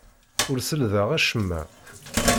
Ur sellḍeɣ acemma.